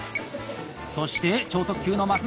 そして超特急の松永